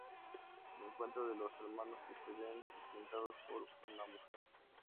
El encuentro de dos hermanos que se ven enfrentados por una mujer.